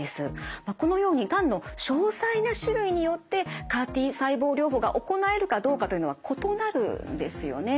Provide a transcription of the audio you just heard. このようにがんの詳細な種類によってＣＡＲ−Ｔ細胞療法が行えるかどうかというのは異なるんですよね。